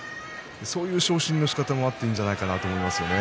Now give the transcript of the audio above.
そういう昇進のしかたもあっていいんじゃないかと思いますけどね。